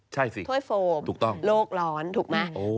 ใช่สิถ้วยโฟมโลกร้อนถูกไหมโอ้โฮ